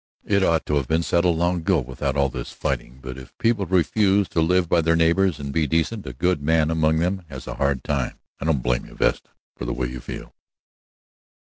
"It ought to have been settled, long ago, without all this fighting. But if people refuse to live by their neighbors and be decent, a good man among them has a hard time. I don't blame you, Vesta, for the way you feel."